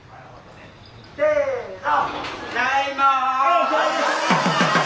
・せの。